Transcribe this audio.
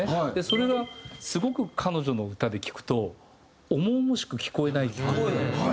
それがすごく彼女の歌で聴くと重々しく聴こえないっていうね。